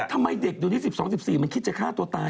ทำไมเด็กเดี๋ยวนี้๑๒๑๔มันคิดจะฆ่าตัวตาย